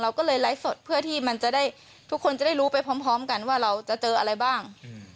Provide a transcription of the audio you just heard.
ก็เลยไลฟ์สดเพื่อที่มันจะได้ทุกคนจะได้รู้ไปพร้อมกันว่าเราจะเจออะไรบ้าง